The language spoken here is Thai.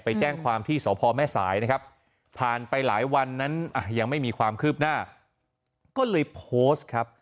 ไปแจ้งความที่สพแม่สายนะครับผ่านไปหลายวันนั้นยังไม่มีความคืบหน้าก็เลยโพสต์ครับ